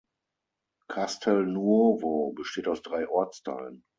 Castelnuovo besteht aus drei Ortsteilen.